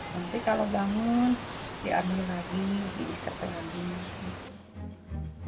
nanti kalau bangun diambil lagi diisapkan lagi